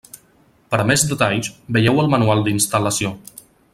Per a més detalls, veieu el Manual d'instal·lació.